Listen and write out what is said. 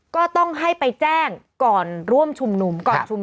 ก็ต้องให้ไปแจ้งก่อนร่วมชุมนุม